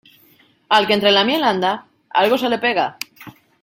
Al que entre la miel anda, algo se le pega.